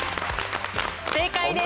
正解です！